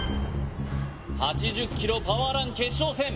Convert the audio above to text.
８０ｋｇパワーラン決勝戦